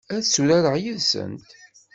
Ad turareḍ yid-sent?